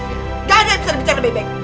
ga ada yang bisa dibicarakan baik baik